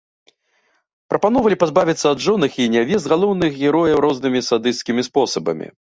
Прапаноўвалі пазбавіцца ад жонак і нявест галоўных герояў рознымі садысцкімі спосабамі.